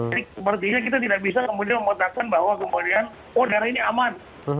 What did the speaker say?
jadi kemudian kita tidak bisa memutarkan bahwa kemudian oh daerah ini aman